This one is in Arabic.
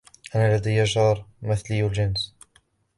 أنا لدي جار مثلي الجنس.